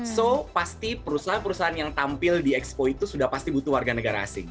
so pasti perusahaan perusahaan yang tampil di expo itu sudah pasti butuh warga negara asing